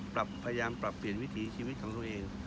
พยายามปรับเปลี่ยนวิถีชีวิตของตัวเอง